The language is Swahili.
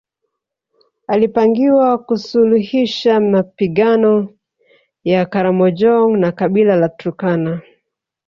Alipangiwa kusuluhisha mapigano ya Karamojong na kabila la Turkana